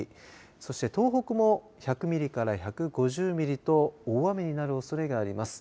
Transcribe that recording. そして、東北も１００ミリから１５０ミリと大雨になるおそれがあります。